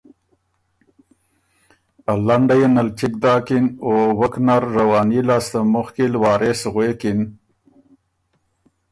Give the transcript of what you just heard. ا لنډئ ن ال چِګ داکِن او وک نر رواني لاسته مُخکی ل وارث غوېکِن